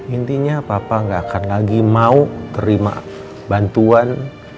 intinya papa gak akan lagi mau terima bantuan